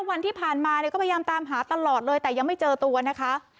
วันที่ผ่านมาเนี่ยก็พยายามตามหาตลอดเลยแต่ยังไม่เจอตัวนะคะ